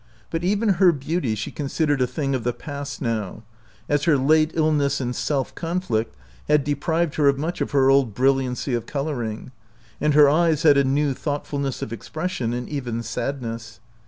But even her beauty she considered a thing of the past now, as her late illness and self conflict had deprived her of much of her old brilliancy of coloring, and her eyes had a new thought fulness of expression, and even sadness.